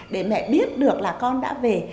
để mẹ biết được là con đã về